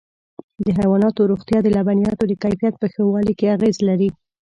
د حيواناتو روغتیا د لبنیاتو د کیفیت په ښه والي کې اغېز لري.